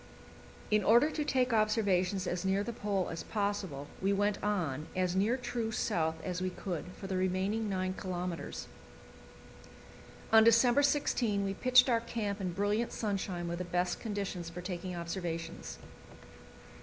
In order to take observations as near the Pole as possible, we went on, as near true south as we could, for the remaining 9 kilometres. On December 16 we pitched our camp in brilliant sunshine, with the best conditions for taking observations.